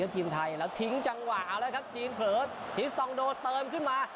ทีมไทยแล้วทิ้งจังหวะเอาแล้วครับจีนเผลอทิสตองโดเติมขึ้นมา